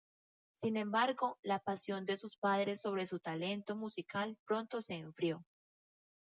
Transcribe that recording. Sin embargo, la pasión de sus padres sobre su talento musical pronto se enfrió.